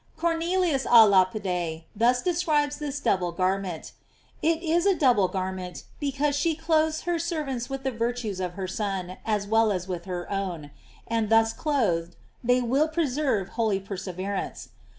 * Cornelius a Lapide thus describes this double garment: It is a double garment, because she clothes her ser vants with the virtues of her Son, as well as with her own; f and, thus clothed, they will preserve holy perseverance.